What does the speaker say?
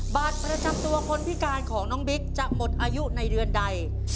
บัตรประจำตัวคนพิการของน้องบิ๊กจะหมดอายุในเดือนใด